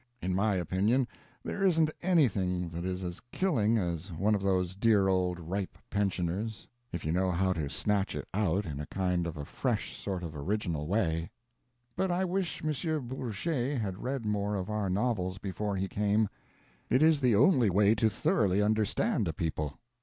In my opinion there isn't anything that is as killing as one of those dear old ripe pensioners if you know how to snatch it out in a kind of a fresh sort of original way. But I wish M. Bourget had read more of our novels before he came. It is the only way to thoroughly understand a people.